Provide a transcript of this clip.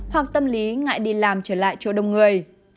hoặc tâm lý ngại đi làm trở lại chỗ đông người